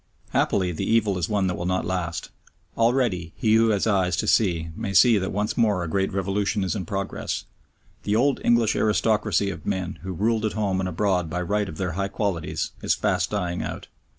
Happily the evil is one that will not last. Already he who hath eyes to see may see that once more a great revolution is in progress. The old English aristocracy of men who ruled at home and abroad by right of their high qualities is fast dying out.